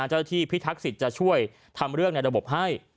เจ้าหน้าที่พิทักษิตจะช่วยทำเรื่องในระบบให้